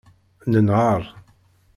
Nenheṛ.